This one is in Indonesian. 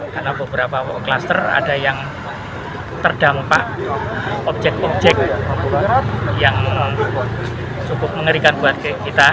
karena beberapa kluster ada yang terdampak objek objek yang cukup mengerikan buat kita